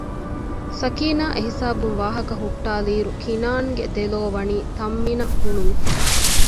ސަކީނާ އެހިސާބުން ވާހަކަ ހުއްޓައިލިއިރު ކިނާންގެ ދެލޯވަނީ ތަންމިނަށް ހުޅުވިފަ